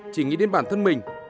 chỉ nghĩ đến bản thân mình